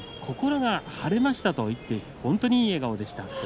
心が晴れましたと言って本当にいい笑顔でした。